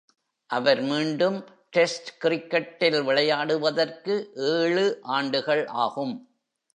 அவர் மீண்டும் டெஸ்ட் கிரிக்கெட்டில் விளையாடுவதற்கு ஏழு ஆண்டுகள் ஆகும்.